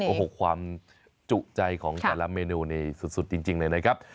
โอ้โหความจุใจของแต่ละเมนูนี้สุดจริงเลยนะครับ